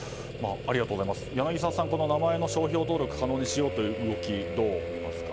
柳澤さん、この名前の商標登録可能にしようという動きをどう見ますか？